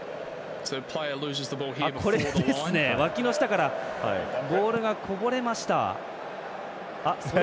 これですね、わきの下からボールがこぼれました。